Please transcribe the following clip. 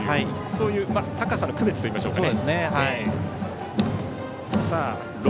そういう高さの区別でしょうか。